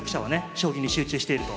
将棋に集中していると。